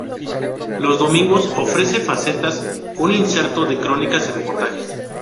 Los domingos ofrece Facetas, un inserto de crónicas y reportajes.